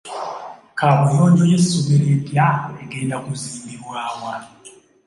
Kaabuyonjo y'essomero empya egenda kuzimbibwa wa?